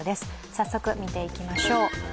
早速見ていきましょう。